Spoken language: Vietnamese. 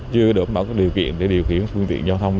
chưa đổ bỏ các điều kiện để điều khiển quyền tiện giao thông